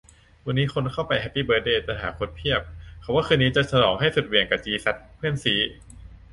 วันนี้คนเข้าไปแฮปปี้เบิร์ธเดย์ "ตถาคต" เพียบ เขาว่าคืนนี้จะฉลองให้สุดเหวี่ยงกะจีซัสเพื่อนซี้